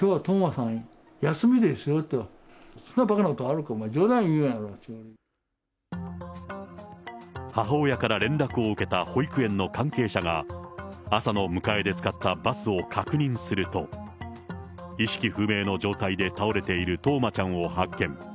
そんなばかなことあるか、冗談言母親から連絡を受けた保育園の関係者が、朝の迎えで使ったバスを確認すると、意識不明の状態で倒れている冬生ちゃんを発見。